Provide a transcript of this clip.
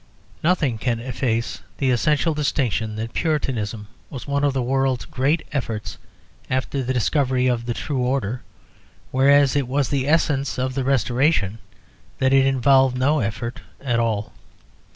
Nothing can efface the essential distinction that Puritanism was one of the world's great efforts after the discovery of the true order, whereas it was the essence of the Restoration that it involved no effort at all.